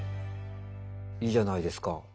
いいじゃないですか。